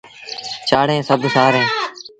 چآڙيٚن سڀ سآريٚݩ۔